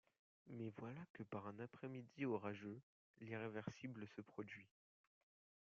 Mais voilà que par un après-midi orageux, l'irréversible se produit.